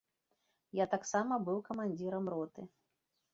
Я таксама быў камандзірам роты.